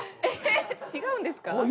ええ違うんですか？